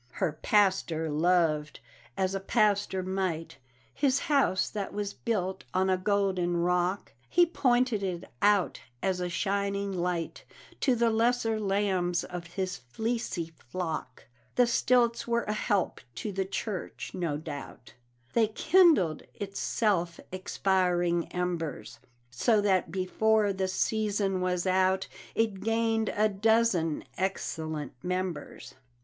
Her pastor loved as a pastor might His house that was built on a golden rock; He pointed it out as a shining light To the lesser lambs of his fleecy flock. The stilts were a help to the church, no doubt, They kindled its self expiring embers, So that before the season was out It gained a dozen excellent members.